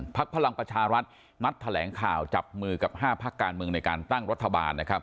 ภักดิ์พลังประชารัฐนัดเแหลงข่าวจับมือกับ๕ภักดิ์การในการตั้งรัฐบาล